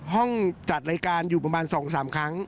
ห้องจัดรายการอยู่ประมาณ๒๓ครั้ง